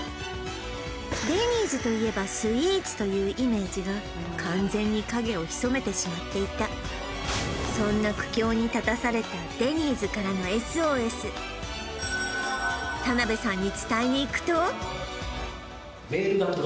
デニーズといえばスイーツというイメージが完全に影を潜めてしまっていたそんな苦境に立たされた大好きな「果たして田辺さんは」